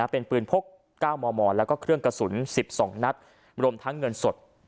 เป็นปืนพก๙มมแล้วก็เครื่องกระสุน๑๒นัดรวมทั้งเงินสด